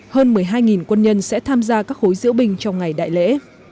hơn một mươi hai quân nhân sẽ tham gia các khối diễu binh trong ngày đại lễ